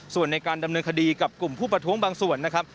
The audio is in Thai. ส่วนในการดำเนินคดีกับกลุ่มผู้ประท้วงบางส่วนนะครับ